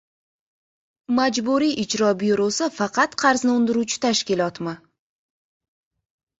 Majburiy ijro byurosi faqat qarzni undiruvchi tashkilotmi?